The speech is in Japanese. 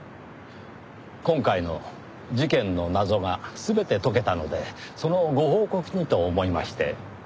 今回の事件の謎が全て解けたのでそのご報告にと思いまして。